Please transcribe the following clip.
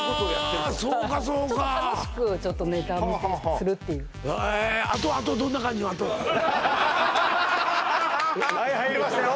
そうかそうか楽しくネタ見せするっていうはい入りましたよ